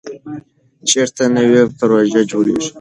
چېرته نوې پروژې جوړېږي؟